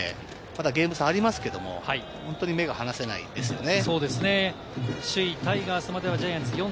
ただゲーム差がありますけれど、本当に目が離せないですよね。